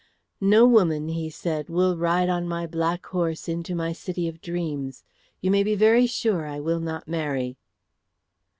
"No woman," he said, "will ride on my black horse into my city of dreams. You may be very sure I will not marry."